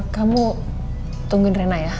kamu tungguin rena ya